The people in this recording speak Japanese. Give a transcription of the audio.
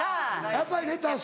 やっぱりレタス。